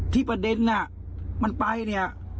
ประเด็นน่ะมันไปเนี่ย